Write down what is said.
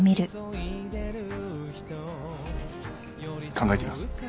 考えてみます。